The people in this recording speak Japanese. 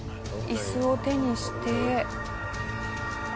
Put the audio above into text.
椅子を手にして。